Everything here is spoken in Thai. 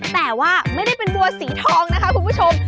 แต่ว่าไม่ได้เป็นวัวสีทองนะคะคุณผู้ชม